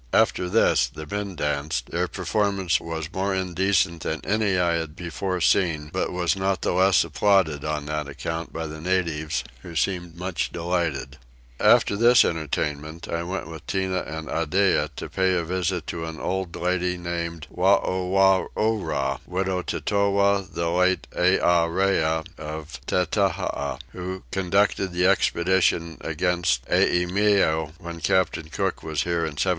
After this the men danced: their performance was more indecent than any I had before seen, but was not the less applauded on that account by the natives, who seemed much delighted. After this entertainment I went with Tinah and Iddeah to pay a visit to an old lady named Wanowoora, widow to Towah the late Earee of Tettaha, who conducted the expedition against Eimeo when Captain Cook was here in 1777.